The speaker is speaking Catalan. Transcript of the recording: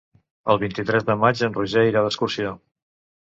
El vint-i-tres de maig en Roger irà d'excursió.